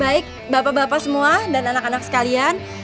baik bapak bapak semua dan anak anak sekalian